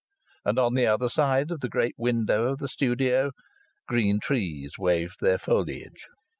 And on the other side of the great window of the studio green trees waved their foliage.